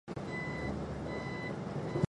建于中华民国初年。